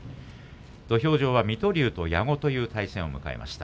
土俵上は水戸龍と矢後という対戦を迎えました。